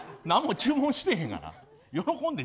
何も注文してへんがな。